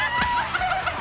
ハハハハ！